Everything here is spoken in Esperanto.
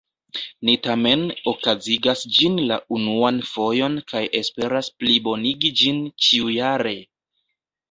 Ni tamen okazigas ĝin la unuan fojon kaj esperas plibonigi ĝin ĉiujare!